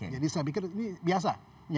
jadi saya pikir ini biasa